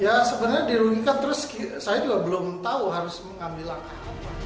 ya sebenarnya dirugikan terus saya juga belum tahu harus mengambil langkah